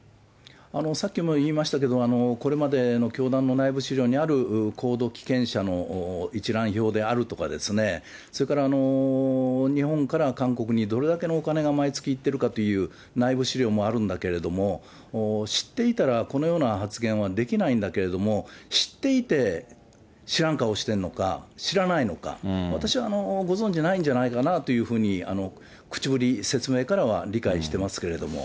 さっきも言いましたけど、これまでの教団の内部資料にある高度危険者の一覧表であるとかですね、それから日本から韓国にどれだけのお金が毎月いってるかという、内部資料もあるんだけれども、知っていたら、このような発言はできないんだけれども、知っていて、知らん顔してるのか、知らないのか、私はご存じないんじゃないかなというふうに、口ぶり、説明からは理解してますけれども。